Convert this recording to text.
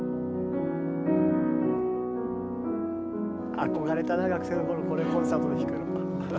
憧れたな学生の頃これコンサートで弾くの。